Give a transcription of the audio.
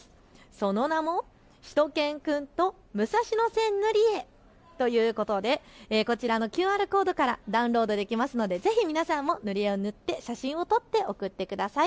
その名もしゅと犬くんと武蔵野線塗り絵ということで、こちらのＱＲコードからダウンロードできますのでぜひ皆さんも塗り絵を塗って写真を撮って送ってください。